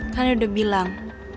kan udah bilang